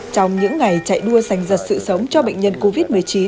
trong những ngày chạy đua dành giật sự sống cho bệnh nhân covid một mươi chín